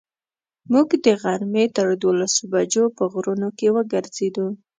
موږ د غرمې تر دولسو بجو په غرونو کې وګرځېدو.